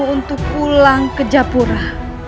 untuk pulang ke japura